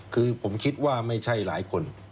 คือผมคิดว่าไม่ใช่หลายคน